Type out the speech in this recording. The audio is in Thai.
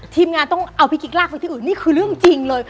ทีมงานต้องเอาพี่กิ๊กลากไปที่อื่นนี่คือเรื่องจริงเลย